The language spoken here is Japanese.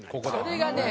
それがね